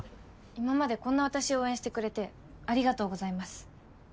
今までこんな私を応援してくれてありがとうございます。